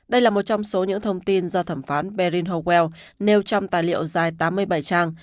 đây là một trong số những thông tin do thẩm phán berine huel nêu trong tài liệu dài tám mươi bảy trang